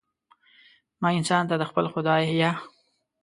ما انسان ته، د خپل خدایه